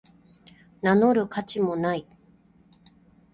名乗る価値もない